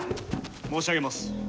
申し上げます。